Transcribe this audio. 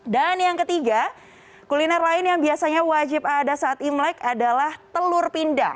dan yang ketiga kuliner lain yang biasanya wajib ada saat imlek adalah telur pindang